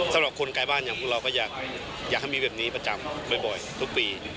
สำหรับคนไกลบ้านอย่างพวกเราก็อยากให้มีแบบนี้ประจำบ่อยทุกปี